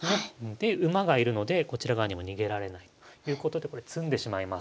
で馬が居るのでこちら側にも逃げられないということでこれ詰んでしまいます。